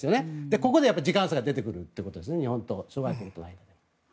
ここで時間差が出てくるということですね日本と諸外国との間で。